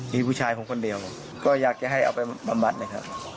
มีผู้ชายผมคนเดียวก็อยากจะให้เอาไปบำบัดนะครับ